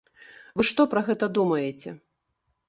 Вы што пра гэта думаеце?